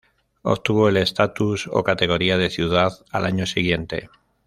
Obtuvo el estatus o categoría de ciudad al año siguiente.